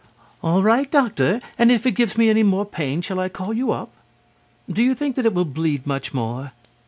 "All right, Doctor, and if it gives me any more pain shall I call you up?... Do you think that it will bleed much more?...